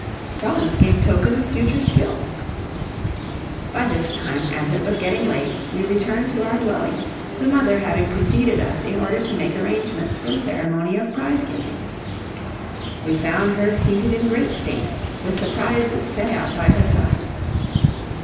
Franz gave token of future skill. By this time, as it was getting late, we returned to our dwelling, the mother having preceded us in order to make arrangements for the ceremony of prize giving. We found her seated in great state, with the prizes set out by her side.